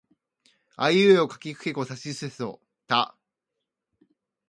あいうえおかきくけこさしすせそた